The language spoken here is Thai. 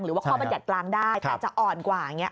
หรือว่าข้อมัติจัดกลางได้แต่จะอ่อนกว่าแบบนี้